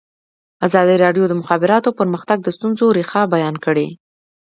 ازادي راډیو د د مخابراتو پرمختګ د ستونزو رېښه بیان کړې.